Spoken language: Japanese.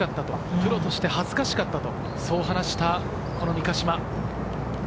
プロとして恥ずかしかったと話した三ヶ島。